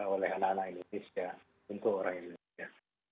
oleh anak anak indonesia untuk orang indonesia